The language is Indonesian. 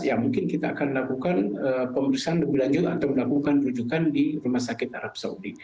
ya mungkin kita akan lakukan pemeriksaan lebih lanjut atau melakukan rujukan di rumah sakit arab saudi